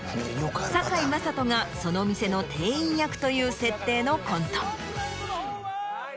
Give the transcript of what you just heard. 堺雅人がその店の店員役という設定のコント。